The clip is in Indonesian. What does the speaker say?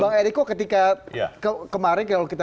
bang eriko ketika kemarin kalau kita